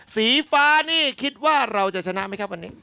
สีฟ้านี่คิดว่าเราจะชนะไหมครับวันนี้